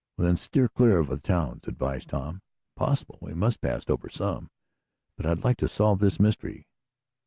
"Then steer clear of the towns," advised Tom. "Impossible. We must pass over some, but I'd like to solve this mystery."